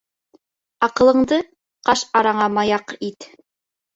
Аҡылыңды ҡаш араңа маяҡ ит.